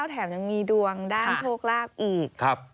แถมยังมีดวงด้านโชคลาภอีก